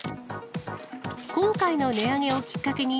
今回の値上げをきっかけに、